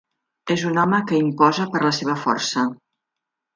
És un home que imposa per la seva força.